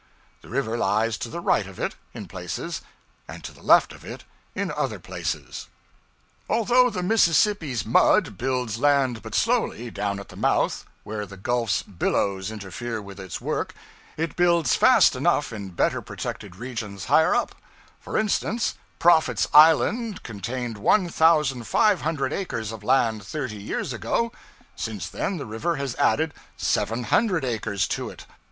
The river lies to the right of it, in places, and to the left of it in other places. Although the Mississippi's mud builds land but slowly, down at the mouth, where the Gulfs billows interfere with its work, it builds fast enough in better protected regions higher up: for instance, Prophet's Island contained one thousand five hundred acres of land thirty years ago; since then the river has added seven hundred acres to it.